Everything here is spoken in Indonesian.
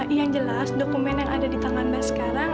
yang jelas dokumen yang ada di tangan mbak sekarang